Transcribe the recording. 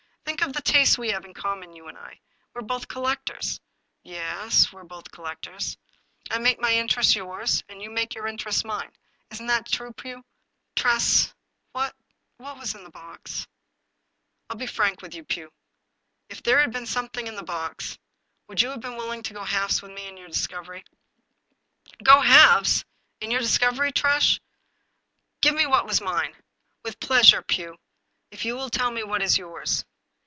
Think of the tastes we have in common, you and I. We're both collectors." " Ye es, we're both collectors." " I make my interests yours, and you make your inter ests mine. Isn't that so, Pugh ?"" Tress, what — ^what was in the box ?"" I will be frank with you, Pugh. If there had been something in the box, would you have been willing to go halves with me in my discovery ?"" Go halves I In your discovery. Tress ! Give me what is mine !" "With pleasure, Pugh, if you will tell me what is yours."